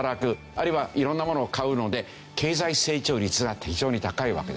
あるいはいろんなものを買うので経済成長率が非常に高いわけですね。